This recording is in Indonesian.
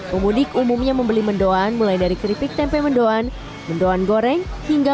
pemudik umumnya membeli mendoan mulai dari keripik tempe mendoan mendoan goreng hingga